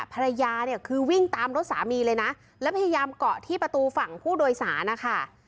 ภรรยาเนี่ยคือวิ่งตามรถสามีเลยนะแล้วพยายามเกาะที่ประตูฝั่งผู้โดยสารนะคะ